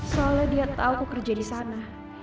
soalnya dia tahu aku kerja di sana